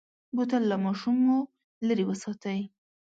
بوتل له ماشومو لرې وساتئ.